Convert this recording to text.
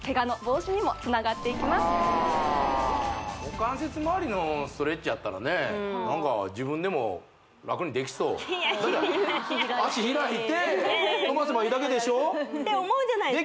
股関節まわりのストレッチやったらね何かいやいやいや脚開いて伸ばせばいいだけでしょ？って思うじゃないです